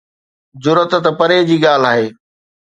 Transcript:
جرئت ته پري جي ڳالهه آهي.